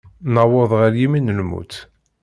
Newweḍ ɣer yimi n lmut.